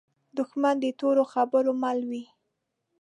دښمن د تورو خبرو مل وي